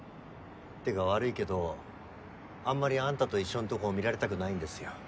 てか悪いけどあんまりあんたと一緒のとこを見られたくないんですよ。